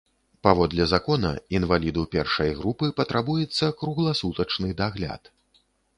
Паводле закона, інваліду першай групы патрабуецца кругласутачны дагляд.